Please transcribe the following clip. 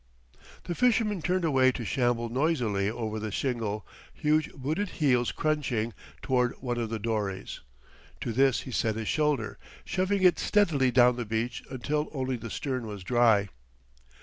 The fisherman turned away to shamble noisily over the shingle, huge booted heels crunching, toward one of the dories. To this he set his shoulder, shoving it steadily down the beach until only the stern was dry.